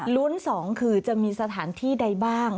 รุ้นสองคือจะมีสถานที่ใดบ้าง